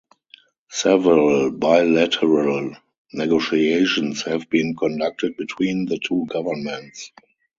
Several bilateral negotiations have been conducted between the two governments.